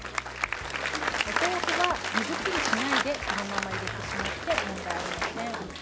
お豆腐は水切りしないでそのまま入れてしまって問題ありません。